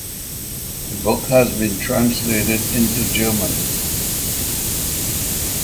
The book has been translated into German.